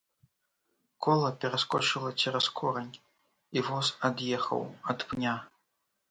Кола пераскочыла цераз корань, і воз ад'ехаў ад пня.